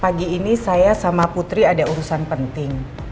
pagi ini saya sama putri ada urusan penting